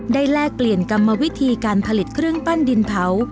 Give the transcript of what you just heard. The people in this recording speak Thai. แลกเปลี่ยนกรรมวิธีการผลิตเครื่องปั้นดินเผา